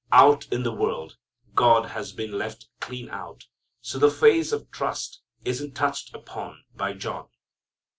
Out in the world God has been left clean out, so the phase of trust isn't touched upon by John.